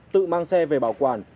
tự mang xe về bảo quản